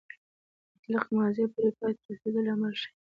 مطلق ماضي پوره پای ته رسېدلی عمل ښيي.